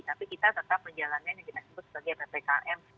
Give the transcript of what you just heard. tapi kita tetap menjalankan yang kita sebut sebagai ppkm